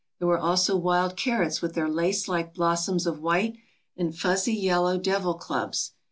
There were also wild carrots with their lace like blossoms of white, and fuzzy yellow devil clubs.